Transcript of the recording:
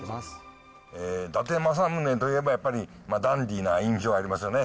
伊達政宗といえば、やっぱり、ダンディな印象ありますよね。